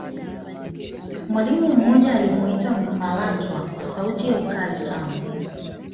mwalimu mmoja alimwita malatwa kwa sauti ya ukali sana